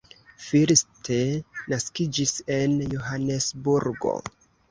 First naskiĝis en Johanesburgo.